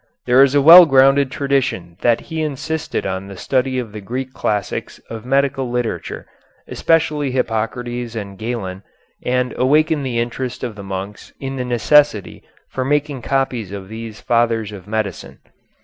There is a well grounded tradition that he insisted on the study of the Greek classics of medical literature, especially Hippocrates and Galen, and awakened the interest of the monks in the necessity for making copies of these fathers of medicine.